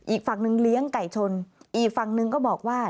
อีกฝั่งหนึ่งเลี้ยงไก่ชนอีกฝั่งหนึ่งก็บอกว่า